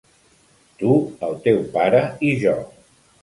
Tu, el teu pare i jo.